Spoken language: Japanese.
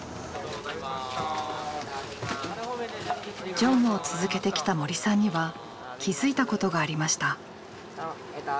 乗務を続けてきた森さんには気付いたことがありました。